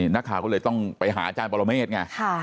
นักข่าวก็เลยต้องไปหาอาจารย์ปรเมฆไง